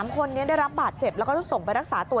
๓คนนี้ได้รับบาดเจ็บแล้วก็ต้องส่งไปรักษาตัว